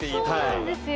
そうなんですよ。